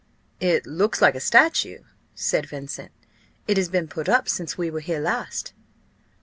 "It looks like a statue," said Vincent. "It has been put up since we were here last."